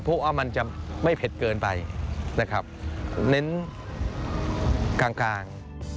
เพราะว่ามันจะไม่เผ็ดเกินไปนะครับเน้นกลางกลาง